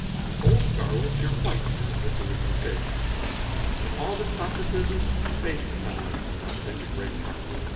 The old scar will appear white and of its original shape. In all this class of business face massage now plays a great part.